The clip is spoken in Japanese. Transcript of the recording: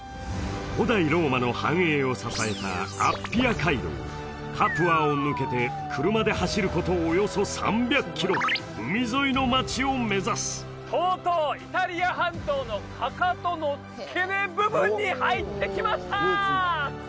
古代ローマの繁栄を支えたアッピア街道カプアを抜けて車で走ることおよそ３００キロ海沿いの町を目指すとうとうイタリア半島のかかとの付け根部分に入ってきました！